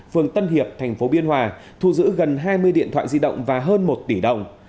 phường tân hiệp thành phố biên hòa thu giữ gần hai mươi điện thoại di động và hơn một tỷ đồng